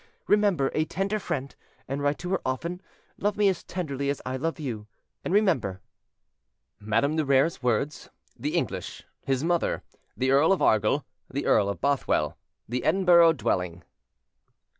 Remember a tender friend, and write to her often: love me as tenderly as I love you, and remember: "Madame de Rere's words; The English; His mother; The Earl of Argyll; The Earl of Bothwell; The Edinburgh dwelling."